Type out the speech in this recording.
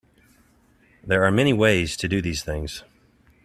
There are many ways to do these things.